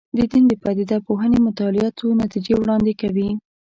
د دین د پدیده پوهنې مطالعات څو نتیجې وړاندې کوي.